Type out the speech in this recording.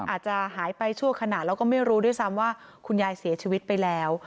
อาจจะหายไปชั่วขณะแล้วก็ไม่รู้ด้วยซ้ำว่าคุณยายเสียชีวิตไปแล้ว